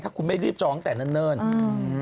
ถ้าคุณไม่รีบจองแต่เนิ่นน